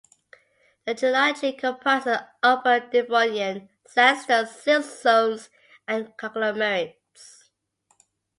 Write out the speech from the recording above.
The geology comprises Upper Devonian sandstones, siltsones and conglomerates.